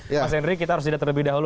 mas hendri kita harus lihat terlebih dahulu